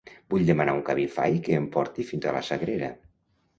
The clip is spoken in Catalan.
Vull demanar un Cabify que em porti fins a la Sagrera.